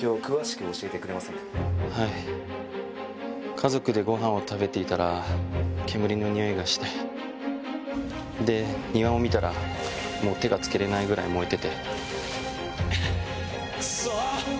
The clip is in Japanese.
家族でごはんを食べていたら煙の臭いがしてで庭を見たら手が付けれないぐらい燃えてて。